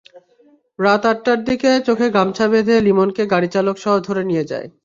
রাত আটটার দিকে চোখে গামছা বেঁধে লিমনকে গাড়িচালকসহ ধরে নিয়ে যায়।